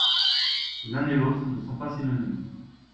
L'un et l'autre ne sont pas synonymes.